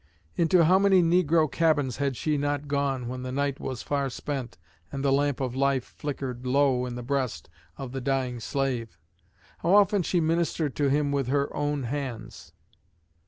Into how many negro cabins had she not gone, when the night was far spent and the lamp of life flickered low in the breast of the dying slave! How often she ministered to him with her own hands!